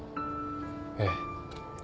ええ。